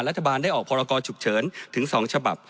รัฐบาลได้ออกพรกรฉุกเฉินถึง๒ฉบับ